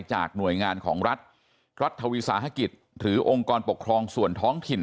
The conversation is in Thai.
จากหน่วยงานของรัฐรัฐวิสาหกิจหรือองค์กรปกครองส่วนท้องถิ่น